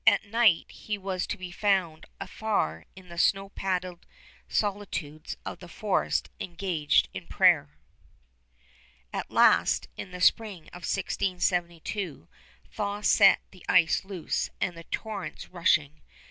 At night he was to be found afar in the snow padded solitudes of the forest engaged in prayer. At last, in the spring of 1672, thaw set the ice loose and the torrents rushing.